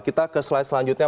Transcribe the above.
kita ke slide selanjutnya